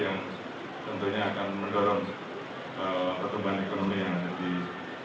yang tentunya akan mendorong pertumbuhan ekonomi yang lebih